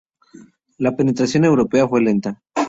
La penetración europea fue lenta.